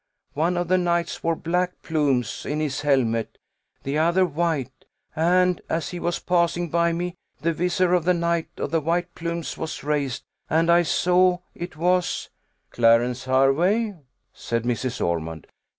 One of the knights wore black plumes in his helmet, and the other white; and, as he was passing by me, the vizor of the knight of the white plumes was raised, and I saw it was " "Clarence Hervey?" said Mrs. Ormond.